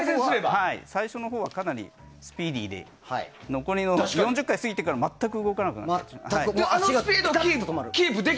最初のほうはかなりスピーディーで残りの４０回過ぎてから全く動かなくなってしまったので。